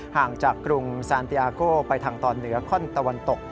ห่างจากกรุงซานติอาโก้ไปทางตอนเหนือข้อนตะวันตก